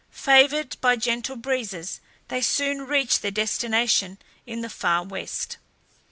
Favoured by gentle breezes they soon reached their destination in the far west.